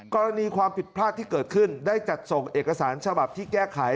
กรณีความผิดพลาดที่เกิดขึ้นได้จัดส่งเอกสารฉบับที่แก้ไข